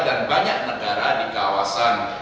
dan banyak negara di kawasan